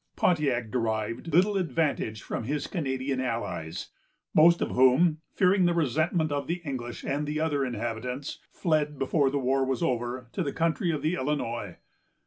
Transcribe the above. Pontiac derived little advantage from his Canadian allies, most of whom, fearing the resentment of the English and the other inhabitants, fled, before the war was over, to the country of the Illinois.